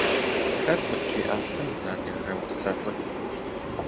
Хэт къыджиӏэфын зы адыгэ усэ цӏыкӏу?